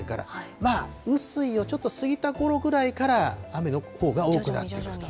まあ、雨水をちょっと過ぎたころぐらいから、雨のほうが多くなってくると。